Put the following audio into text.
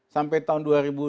sampai tahun dua ribu dua puluh